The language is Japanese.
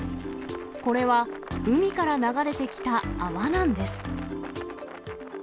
これは、海から流れてきた泡なんです。